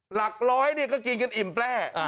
หลัก๑๐๐ก็กินกันอิ่มแปล่ะ